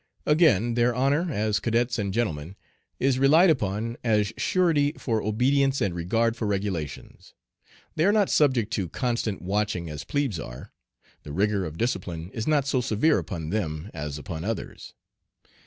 Again, their honor, as "cadets and gentlemen," is relied upon as surety for obedience and regard for regulations. They are not subject to constant watching as plebes are. The rigor of discipline is not so severe upon them as upon others.